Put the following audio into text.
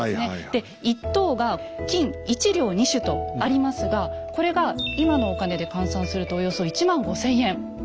で１等が「金一両二朱」とありますがこれが今のお金で換算するとおよそ１万５千円。